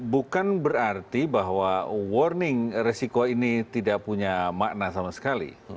bukan berarti bahwa warning resiko ini tidak punya makna sama sekali